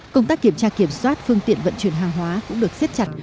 công tác kiểm tra kiểm soát phương tiện vận chuyển hàng hóa cũng được xếp chặt